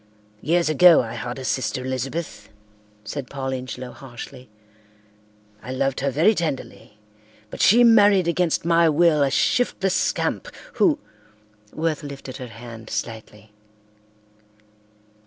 "Years ago I had a sister Elizabeth," said Paul Ingelow harshly. "I loved her very tenderly, but she married against my will a shiftless scamp who—" Worth lifted her hand slightly.